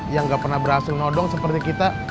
yang gak pernah berhasil nodong seperti kita